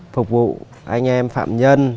phục vụ anh em phạm nhân